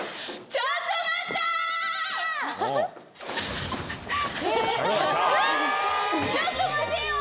ちょっと待てよ！